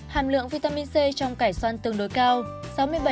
hàm lượng vitamin c trong cải xoăn tương đối cao